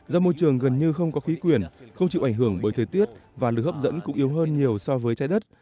do môi trường gần như không có khí quyển không chịu ảnh hưởng bởi thời tiết và lực hấp dẫn cũng yếu hơn nhiều so với trái đất